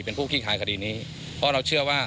เป็นผู้ขี้คลายคดีนี้เพราะเราเชื่อว่า